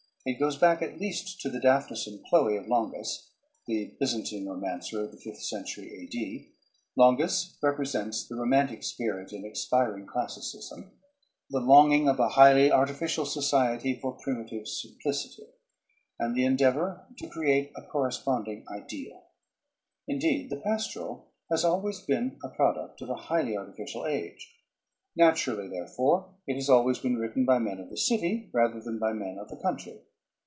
It goes back at least to the "Daphnis and Chloe" of Longus, the Byzantine romancer of the fifth century A.D. Longus represents the romantic spirit in expiring classicism, the longing of a highly artificial society for primitive simplicity, and the endeavor to create a corresponding ideal. Indeed the pastoral has always been a product of a highly artificial age. Naturally, therefore, it has always been written by men of the city rather than by men of the country.